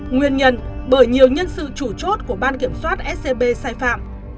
nguyên nhân bởi nhiều nhân sự chủ chốt của ban kiểm soát scb sai phạm